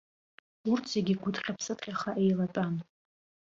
Урҭ зегьы гәыҭҟьа-ԥсыҭҟьаха еилатәан.